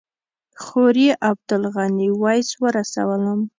خوريي عبدالغني ویس ورسولم.